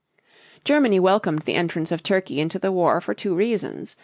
] Germany welcomed the entrance of Turkey into the war for two reasons.